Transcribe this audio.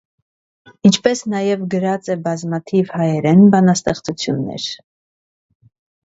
Ինչպէս նաեւ գրած է բազմաթիւ հայերէն բանաստեղծութիւններ։